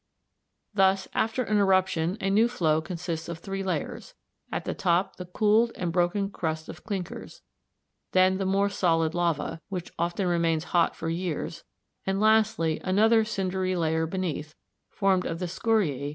Thus after an eruption a new flow consists of three layers; at the top the cooled and broken crust of clinkers, then the more solid lava, which often remains hot for years, and lastly another cindery layer beneath, formed of the scoriæ which have fallen from above (see Fig.